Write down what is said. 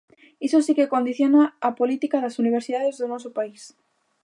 ¡Iso si que condiciona a política das universidades do noso país!